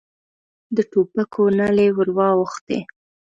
د ټوپکو نلۍ ور واوښتې.